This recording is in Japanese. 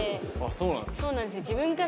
そうなんですか？